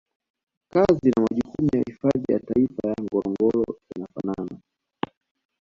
kazi na majukumu ya hifadhi ya Taifa na Ngorongoro yanafanana